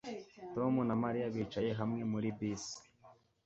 Tom na Mariya bicaye hamwe muri bisi